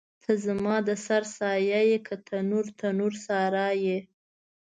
ته زما د سر سایه یې که تنور، تنور سارا یې